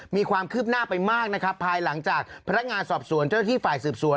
มีความคืบหน้าไปมากนะครับภายหลังจากพนักงานสอบสวนเจ้าหน้าที่ฝ่ายสืบสวน